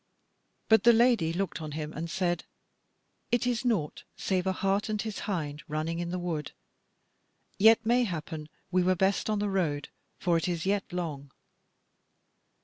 But the Lady looked on him and said: "It is naught save a hart and his hind running in the wood; yet mayhappen we were best on the road, for it is yet long."